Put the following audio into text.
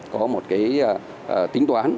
có một cái tính toán